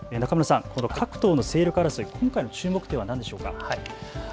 各党の勢力争い、今回の注目点は何でしょうか。